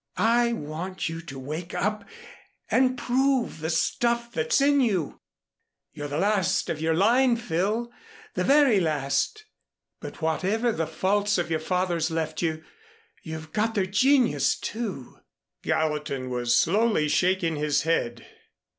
I want you to wake up and prove the stuff that's in you. You're the last of your line, Phil, the very last; but whatever the faults your fathers left you, you've got their genius, too." Gallatin was slowly shaking his head.